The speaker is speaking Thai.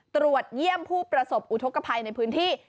ตรวจเยี่ยมผู้ประสบอุทธกภัยในพื้นที่